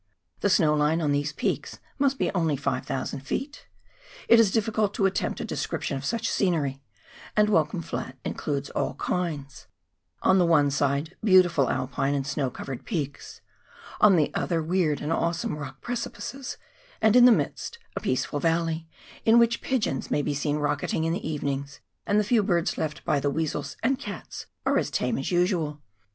The snow line on these peaks must be only 5,000 ft. It is difficult to attempt a description of such scenery, and "Welcome Flat includes all kinds — on the one side, beautiful alpine and snow covered peaks, on the other, weird and awesome rock precipices, and in the midst, a peaceful valley, in which pigeons may be seen rocketing in the evenings, and the few birds left by the weasels and cats are as tame as usual.